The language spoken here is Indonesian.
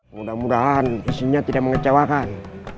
mudah mudahan isinya tidak mengecewakan